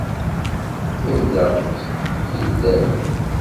Inna, illa-d.